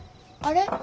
あれ？